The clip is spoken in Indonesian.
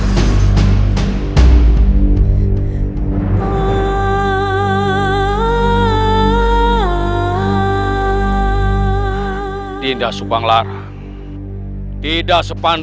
masuklah ke dalam